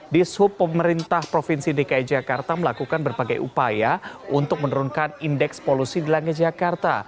di sub pemerintah provinsi dki jakarta melakukan berbagai upaya untuk menurunkan indeks polusi di langit jakarta